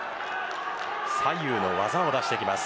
左右の技を出してきます